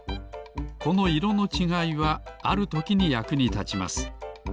この色のちがいはあるときにやくにたちます。